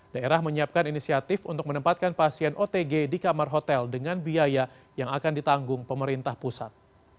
daerah menyiapkan inisiatif untuk menempatkan pasien otg di kamar hotel dengan biaya yang akan ditanggung pemerintah pusat